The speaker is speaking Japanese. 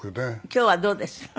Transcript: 今日はどうですか？